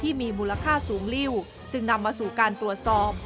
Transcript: มูลค่าสูงริ้วจึงนำมาสู่การตรวจสอบ